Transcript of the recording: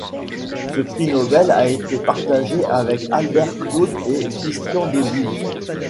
Ce prix Nobel a été partagé avec Albert Claude et Christian de Duve.